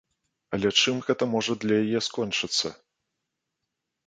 Але чым гэта можа для яе скончыцца?